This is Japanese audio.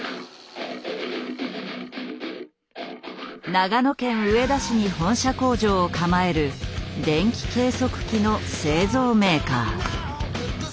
長野県上田市に本社工場を構える電気計測器の製造メーカー。